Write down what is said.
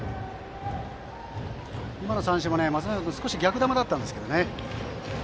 今の三振も松永君少し逆球だったんですけどね。